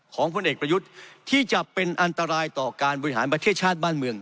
พลเอกประยุทธ์ที่จะเป็นอันตรายต่อการบริหารประเทศชาติบ้านเมือง